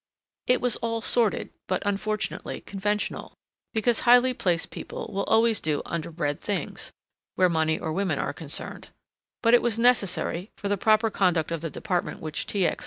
It was all sordid but, unfortunately, conventional, because highly placed people will always do underbred things, where money or women are concerned, but it was necessary, for the proper conduct of the department which T. X.